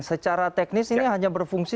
secara teknis ini hanya berfungsi